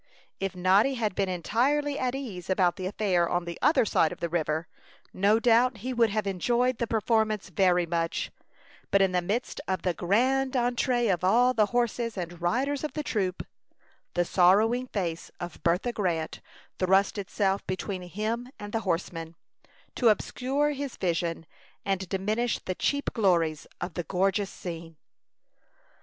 If Noddy had been entirely at ease about the affair on the other side of the river, no doubt he would have enjoyed the performance very much; but in the midst of the "grand entree of all the horses and riders of the troupe," the sorrowing face of Bertha Grant thrust itself between him and the horsemen, to obscure his vision and diminish the cheap glories of the gorgeous scene.